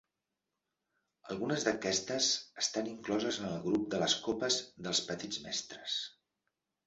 Algunes d'aquestes estan incloses en el grup de les copes dels petits mestres.